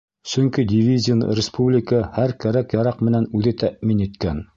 Сөнки дивизияны республика һәр кәрәк-яраҡ менән үҙе тәьмин иткән.